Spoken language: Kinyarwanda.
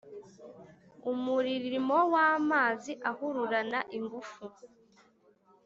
umuririmo w’amazi ahururana ingufu,